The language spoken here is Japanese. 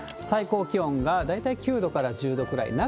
最高気温が大体９度から１０度くらい。